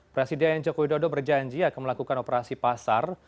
presiden jokowi dodo berjanji akan melakukan operasi pasar